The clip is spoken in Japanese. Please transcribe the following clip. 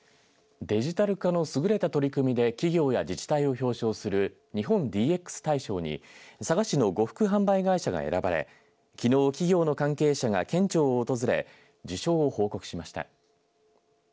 デジタル化の優れた取り組みで企業や自治体を表彰する日本ＤＸ大賞に佐賀市の呉服販売会社が選ばれきのう企業の関係者が県庁を訪れ受賞を報告しました。